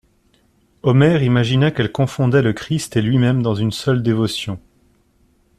Omer imagina qu'elle confondait le Christ et lui-même dans une seule dévotion.